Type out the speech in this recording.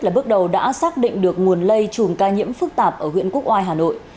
là bước đầu đã xác định được nguồn lây chùm ca nhiễm phức tạp ở huyện quốc oai hà nội